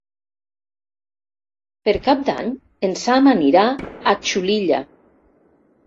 Per Cap d'Any en Sam anirà a Xulilla.